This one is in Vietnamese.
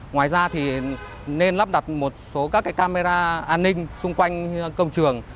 ngoài ra thì nên lắp đặt một số các camera an ninh xung quanh công trường